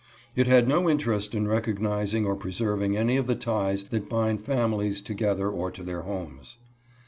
It had no interest in recognizing or preserving any of the ties that bind families together or to their homes.